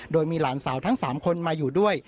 โดยมีหลานสาวทั้ง๓คนมาอยู่ด้วย